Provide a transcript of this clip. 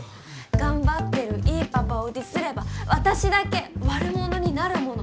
頑張ってるいいパパを ｄｉｓ れば私だけ悪者になるもの